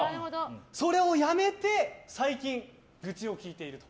それをやめて最近愚痴を聞いている。